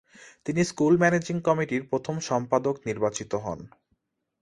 তিনি school managing কমিটির প্রথম সম্পাদক নির্বাচিত হন।